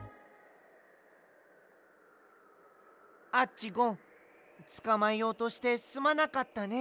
アッチゴンつかまえようとしてすまなかったね。